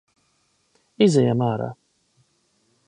Izejam ārā.